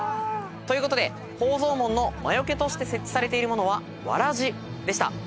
ということで宝蔵門の魔よけとして設置されているものはわらじでした。